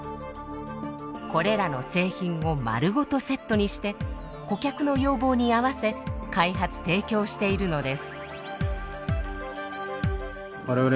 これらの製品を丸ごとセットにして顧客の要望に合わせ開発提供しているのです。